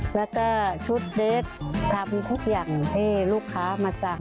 แล้วก็ชุดเดสทำทุกอย่างให้ลูกค้ามาสั่ง